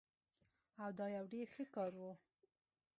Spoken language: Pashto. او دا يو ډير ښه کار وو